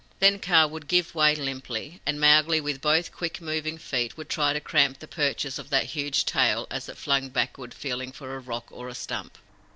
Then Kaa would give way limply, and Mowgli, with both quick moving feet, would try to cramp the purchase of that huge tail as it flung backward feeling for a rock or a stump.